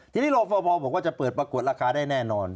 ทีนี้รอฟบบอกว่าจะเปิดประกวดราคาได้แน่นอน